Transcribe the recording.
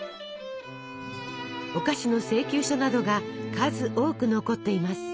お菓子の請求書などが数多く残っています。